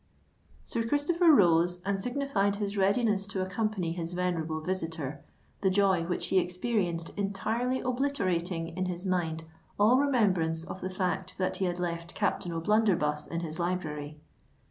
Sir Christopher rose and signified his readiness to accompany his venerable visitor, the joy which he experienced entirely obliterating in his mind all remembrance of the fact that he had left Captain O'Blunderbuss in his library.